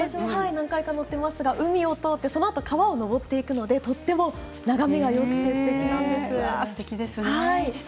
何回か乗っていますが海を通って川を上っていくのでとても眺めがよくて、すてきです。